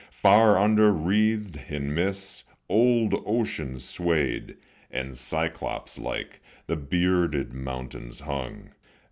Far under, wreathed in mists, old ocean swayed; And, cyclops like, the bearded mountains hung.